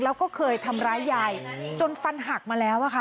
แล้วก็เคยทำร้ายยายจนฟันหักมาแล้วอะค่ะ